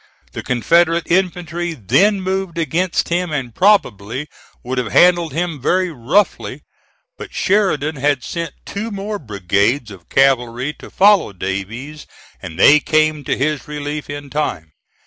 The Confederate infantry then moved against him and probably would have handled him very roughly, but Sheridan had sent two more brigades of cavalry to follow Davies, and they came to his relief in time.